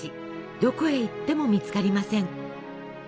どこへ行っても見つかりません。